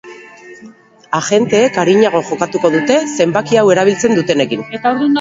Agenteek arinago jokatuko dute zenbaki hau erabiltzen dutenekin.